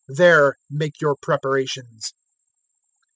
There make your preparations."